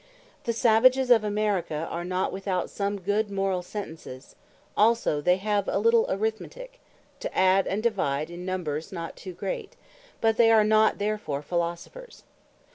The Savages of America, are not without some good Morall Sentences; also they have a little Arithmetick, to adde, and divide in Numbers not too great: but they are not therefore Philosophers.